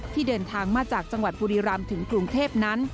ที่เดินทางมาจากจังหวัดบุรีรำถึงกรุงเทพนั้น